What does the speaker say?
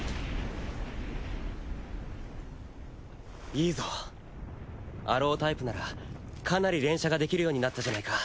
いいぞアロータイプならかなり連射ができるようになったじゃないか。